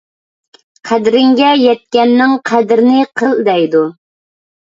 قەدرىڭگە يەتكەننىڭ قەدرىنى قىل دەيدۇ.